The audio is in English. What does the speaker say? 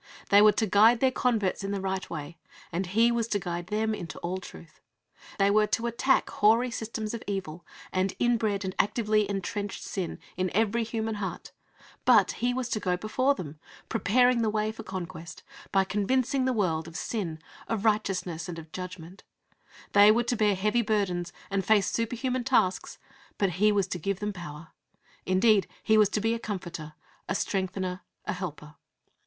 They were to guide their converts in the right way, and He was to guide them into all truth (John xvi. 13). They were to attack hoary systems of evil, and inbred and actively intrenched sin, in every human heart; but He was to go before them, preparing the way for conquest, by convincing the world of sin, of righteousness, and of judgment (John xvi. 8). They were to bear heavy burdens and face superhuman tasks, but He was to give them power (Acts i. 8). Indeed, He was to be a Comforter, a Strengthener, a Helper.